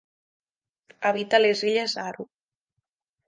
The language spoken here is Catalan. Habita les illes Aru.